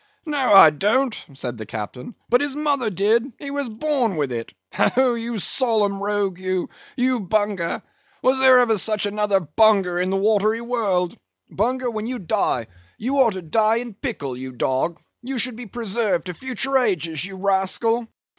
"No, I don't," said the captain, "but his mother did; he was born with it. Oh, you solemn rogue, you—you Bunger! was there ever such another Bunger in the watery world? Bunger, when you die, you ought to die in pickle, you dog; you should be preserved to future ages, you rascal."